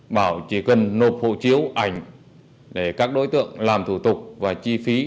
bảo chỉ cần nộp hồ chiếu ảnh để các đối tượng làm thủ tục và chi phí